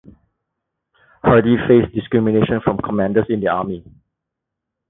Hardy faced discrimination from commanders in the Army.